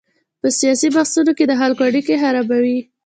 په سیاسي بحثونو کې د خلکو اړیکې خرابوي.